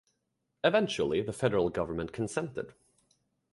Eventually, the federal government consented.